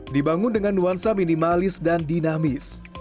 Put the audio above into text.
dibangun dengan nuansa minimalis dan dinamis